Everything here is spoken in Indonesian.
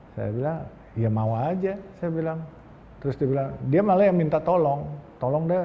saya bilang ya mau aja saya bilang terus dia bilang dia malah yang minta tolong tolong deh